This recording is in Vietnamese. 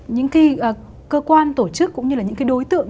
những cơ quan tổ chức cũng như là những đối tượng